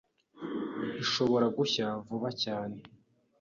ishobora gushya vuba cyane